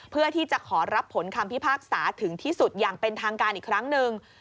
เพื่อที่จะขอรับผลคำพิพากษาถึงที่สุดอย่างเป็นทางการอีกครั้งหนึ่ง